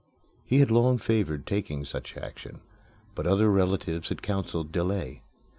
He had long favored taking such action, but other relatives had counseled delay.